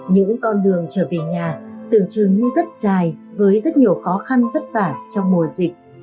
những con đường trở về nhà tưởng chừng như rất dài với rất nhiều khó khăn vất vả trong mùa dịch